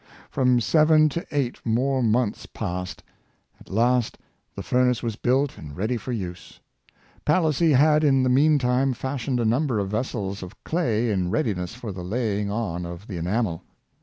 From seven to eight more months passed. At last the furnace was built and ready for use. Palissy had in the mean time fashioned a number of vessels of clay in readiness for the laying on of the enamel.